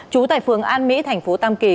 chú tại phường an mỹ thành phố tam kỳ